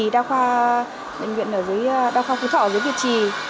đao khoa phú thọ ở dưới việt trì